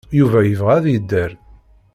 Yuba yebɣa ad yedder.